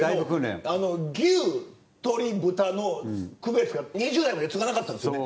牛鶏豚の区別が２０代までつかなかったんですよね。